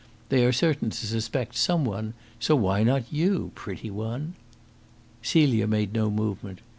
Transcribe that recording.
They are certain to suspect some one, so why not you, pretty one?" Celia made no movement.